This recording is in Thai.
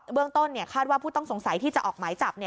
เบื้องต้นถ้าผู้ต้องสงสัยที่ออกหมายจับ